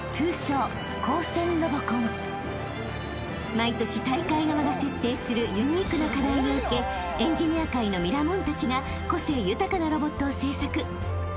［毎年大会側が設定するユニークな課題を受けエンジニア界のミラモンたちが個性豊かなロボットを製作］